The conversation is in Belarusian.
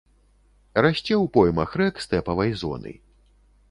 Расце ў поймах рэк стэпавай зоны.